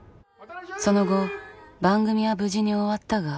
その後番組は無事に終わったが。